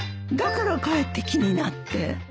だからかえって気になって。